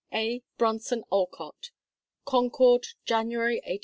A. BRONSON ALCOTT CONCORD, January, 1882.